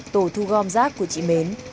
tổ thu gom rác của chị mến